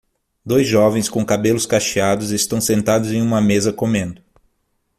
Dois jovens com cabelos cacheados estão sentados em uma mesa comendo